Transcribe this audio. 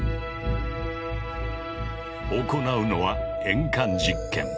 行うのは鉛管実験。